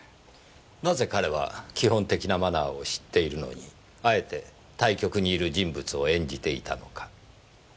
なぜ彼は基本的なマナーを知っているのにあえて対局にいる人物を演じていたのか？